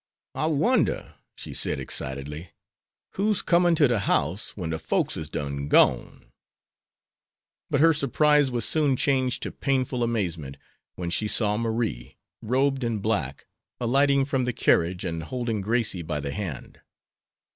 "I wonder," she said, excitedly, "whose comin' to de house when de folks is done gone." But her surprise was soon changed to painful amazement, when she saw Marie, robed in black, alighting from the carriage, and holding Gracie by the hand.